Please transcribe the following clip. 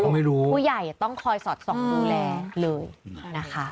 ผู้ใหญ่ต้องคอยสอดศอกดูแลเลยนะคะ